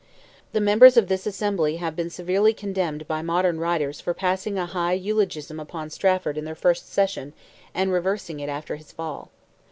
The members of this Assembly have been severely condemned by modern writers for passing a high eulogium upon Strafford in their first session and reversing it after his fall.